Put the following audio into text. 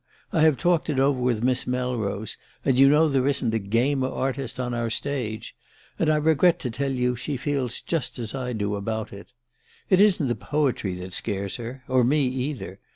I have talked it over with Miss Melrose and you know there isn't a gamer artist on our stage and I regret to tell you she feels just as I do about it. It isn't the poetry that scares her or me either.